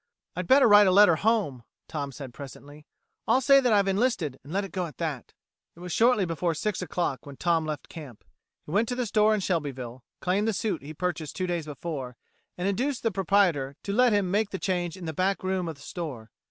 "I'd better write a letter home," Tom said presently. "I'll say that I've enlisted and let it go at that." It was shortly before six o' clock when Tom left camp. He went to the store in Shelbyville, claimed the suit he purchased two days before, and induced the proprietor to let him make the change in the back room of the store.